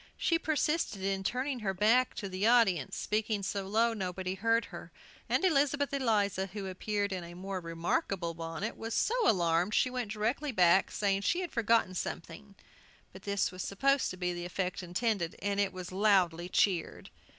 She persisted in turning her back to the audience, speaking so low nobody heard her; and Elizabeth Eliza, who appeared in a more remarkable bonnet, was so alarmed she went directly back, saying she had forgotten something But this was supposed to be the effect intended, and it was loudly cheered.